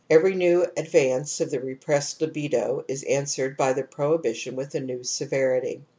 Every new advance of the repressed Ubido is answered by the pro hibition with a new severity.